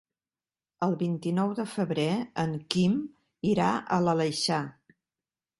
El vint-i-nou de febrer en Quim irà a l'Aleixar.